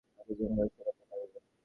বাকি জিনিসগুলো শেখাতে পারবি?